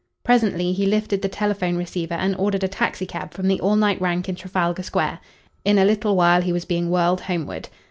Presently he lifted the telephone receiver and ordered a taxicab from the all night rank in Trafalgar Square. In a little while he was being whirled homeward.